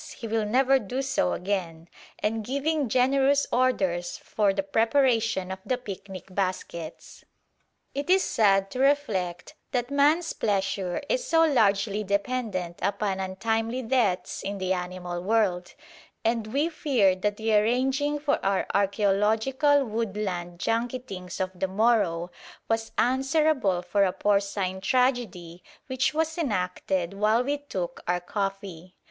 he will never do so again) and giving generous orders for the preparation of the picnic baskets. It is sad to reflect that man's pleasure is so largely dependent upon untimely deaths in the animal world, and we fear that the arranging for our archæological woodland junketings of the morrow was answerable for a porcine tragedy which was enacted while we took our coffee.